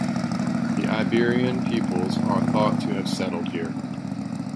The Iberian peoples are thought to have settled here.